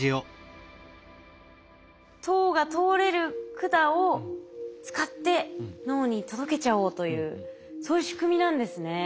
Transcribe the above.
糖が通れる管を使って脳に届けちゃおうというそういう仕組みなんですね。